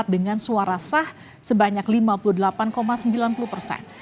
dengan suara sah sebanyak lima puluh delapan sembilan puluh persen